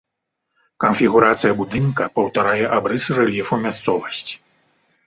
Канфігурацыя будынка паўтарае абрысы рэльефу мясцовасці.